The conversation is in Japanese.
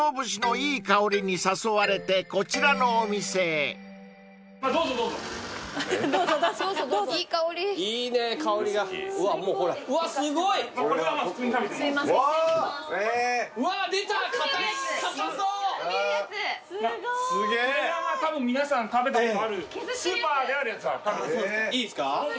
いいですか？